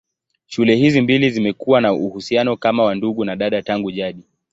Shule hizi mbili zimekuwa na uhusiano kama wa ndugu na dada tangu jadi.